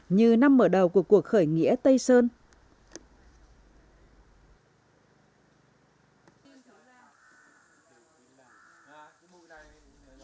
như năm mở đầu của cuộc khởi nghĩa tây sơn thượng đạo